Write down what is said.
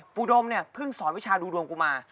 ปูดมเพิ่งสอนวิชาดูดวงมา